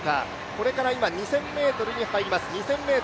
これから２０００ｍに入ります。